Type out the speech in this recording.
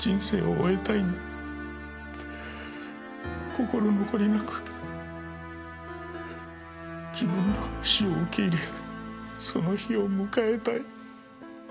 心残りなく自分の死を受け入れその日を迎えたい。